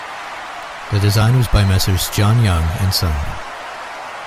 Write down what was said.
The design was by Messrs John Young and Son.